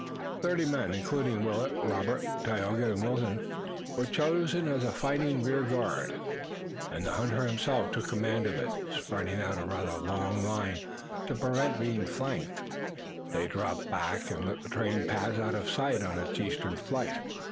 Thirty men, including Willet, Robert, Tayoga and Wilton, were chosen as a fighting rear guard, and the hunter himself took command of it. Spreading out in a rather long line to prevent being flanked, they dropped back and let the train pass out of sight on its eastern flight.